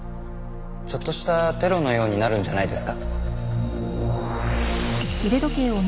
ちょっとしたテロのようになるんじゃないですか？